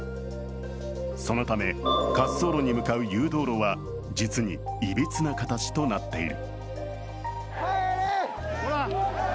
そのため滑走路に向かう誘導路は実にいびつな形となっている。